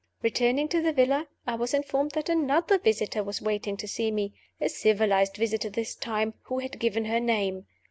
Returning to the villa, I was informed that another visitor was waiting to see me: a civilized visitor this time, who had given her name.